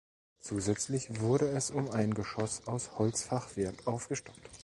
Zusätzlich wurde es um ein Geschoss aus Holzfachwerk aufgestockt.